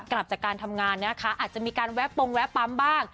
กลับจากการทำงานนะคะอาจจะมีการแวะปงแวะปั๊มบ้าง